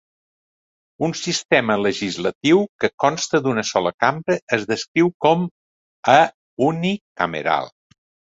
Un sistema legislatiu que consta d'una sola cambra es descriu com a "unicameral".